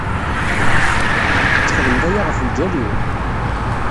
Ad txedmeḍ aya ɣef lǧal-iw?